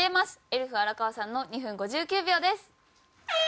エルフ荒川さんの２分５９秒です。